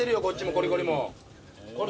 コリコリも。